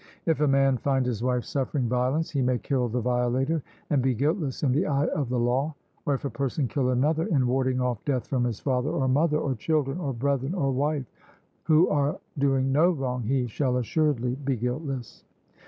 If a man find his wife suffering violence, he may kill the violator, and be guiltless in the eye of the law; or if a person kill another in warding off death from his father or mother or children or brethren or wife who are doing no wrong, he shall assuredly be guiltless.